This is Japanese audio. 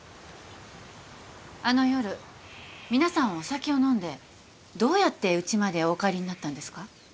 あの夜皆さんお酒を飲んでどうやってうちまでお帰りになったんですか？